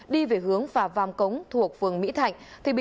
đi về hướng phà vàm cống thuộc phường mỹ thạnh